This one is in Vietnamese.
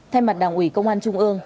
thay mặt đảng ủy công an trung ương